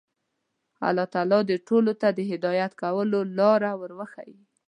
الله تعالی دې ټولو ته د هدایت کولو لاره ور وښيي.